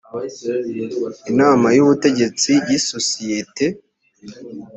inama y’ubutegetsi y’isosiyete